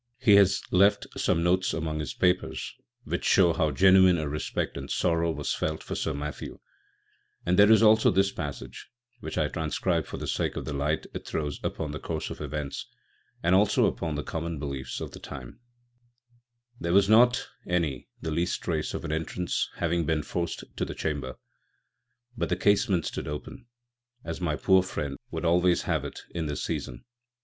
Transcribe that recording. He has left some notes among his papers which show how genuine a respect and sorrow was felt for Sir Matthew, and there is also this passage, which I transcribe for the sake of the light it throws upon the course of events, and also upon the common beliefs of the time: "There was not any the least Trace of an Entrance having been forc'd to the Chamber: but the Casement stood open, as my poor Friend would always have it in this Season.